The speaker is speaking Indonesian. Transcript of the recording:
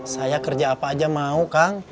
saya kerja apa aja mau kang